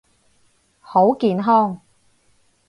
好健康！